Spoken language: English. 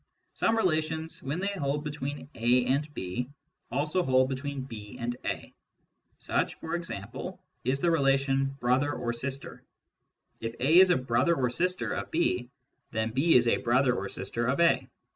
Some relations, when they hold between A and ] hold between B and A. Such, for example, is the n "brother or sister." If A is a brother or sister then B is a brother or sister of A.